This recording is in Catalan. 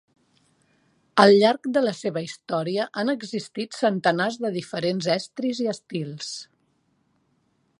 Al llarg de la seva història han existit centenars de diferents estris i estils.